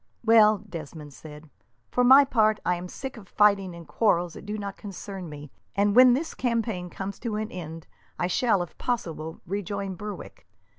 "Well," Desmond said, "for my part, I am sick of fighting in quarrels that do not concern me, and when this campaign comes to an end I shall, if possible, rejoin Berwick.